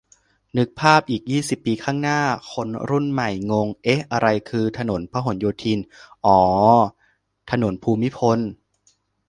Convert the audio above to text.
นึกภาพอีกยี่สิบปีข้างหน้า คนรุ่นใหม่งง เอ๊ะ อะไรคือถนนพหลโยธิน อ๋อออออ ถนนภูมิพล